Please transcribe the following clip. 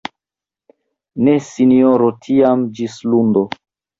Ne Sinjoro tiam ĝis lundo!